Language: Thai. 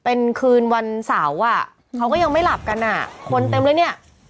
เป็นคืนวันเสาร์อ่ะเขาก็ยังไม่หลับกันอ่ะคนเต็มเลยเนี่ย